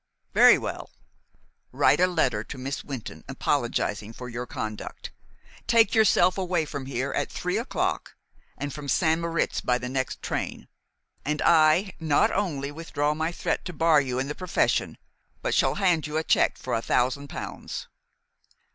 Very well. Write a letter to Miss Wynton apologizing for your conduct, take yourself away from here at three o'clock, and from St. Moritz by the next train, and I not only withdraw my threat to bar you in the profession but shall hand you a check for a thousand pounds."